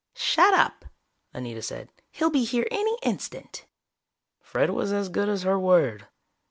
"Shut up!" Anita said. "He'll be here any instant." Fred was as good as her word.